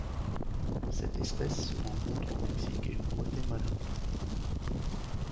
Cette espèce se rencontre au Mexique et au Guatemala.